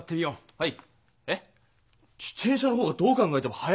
はい。